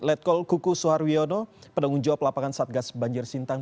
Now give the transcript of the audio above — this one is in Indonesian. let call kuku soeharyono pendangun jawa pelapangan satgas banjir sintang